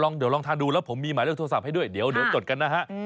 เดี๋ยวลองทานดูแล้วผมมีหมายเลขโทรศัพท์ให้ด้วยเดี๋ยวจดกันนะฮะ